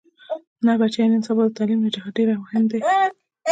نه بچيه نن سبا د تعليم نه جهاد ډېر اهم دې.